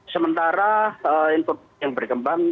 sementara input yang berkembang